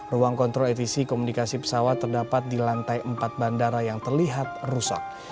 ruang kontrol atc komunikasi pesawat terdapat di lantai empat bandara yang terlihat rusak